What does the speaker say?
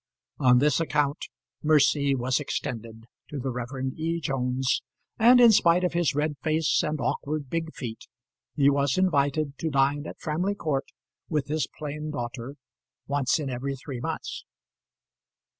On this account mercy was extended to the Rev. E. Jones, and, in spite of his red face and awkward big feet, he was invited to dine at Framley Court, with his plain daughter, once in every three months.